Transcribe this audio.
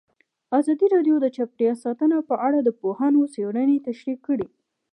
ازادي راډیو د چاپیریال ساتنه په اړه د پوهانو څېړنې تشریح کړې.